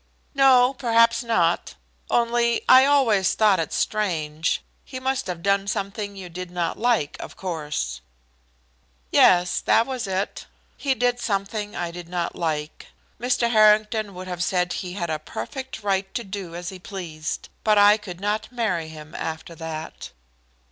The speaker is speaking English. "No, perhaps not. Only I always thought it strange. He must have done something you did not like, of course." "Yes, that was it. He did something I did not like. Mr. Harrington would have said he had a perfect right to do as he pleased. But I could not marry him after that."